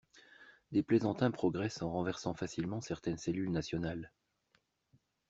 Des plaisantins progressent en renversant facilement certaines cellules nationales.